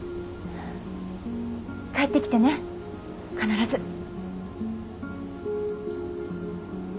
帰ってきてね必ず。